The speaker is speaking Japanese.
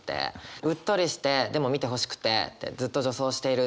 うっとりしてでも見てほしくてってずっと助走している。